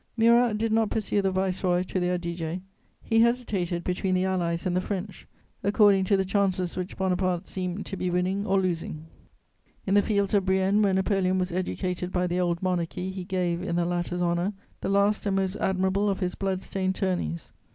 Murat did not pursue the Viceroy to the Adige; he hesitated between the Allies and the French, according to the chances which Bonaparte seemed to be winning or losing. In the fields of Brienne, where Napoleon was educated by the old Monarchy, he gave, in the latter's honour, the last and most admirable of his blood stained tourneys.